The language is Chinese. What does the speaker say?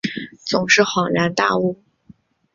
总是恍然大悟